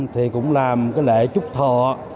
thì cũng làm lễ chúc thọ